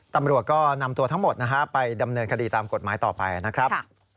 ตำรวจก็นำตัวทั้งหมดนะฮะไปดำเนินคดีตามกฎหมายต่อไปนะครับ